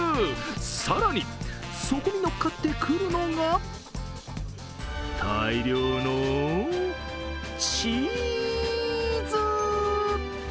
更に、そこにのっかってくるのが大量のチーズ！